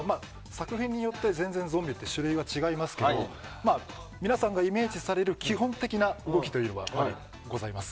作品によってゾンビは種類は違いますけど皆さんがイメージされる基本的な動きというのはございます。